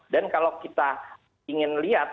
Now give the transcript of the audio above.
dan kalau kita ingin lihat